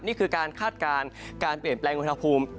นี่คือการคาดการณ์การเปลี่ยนแปลงอุณหภูมิ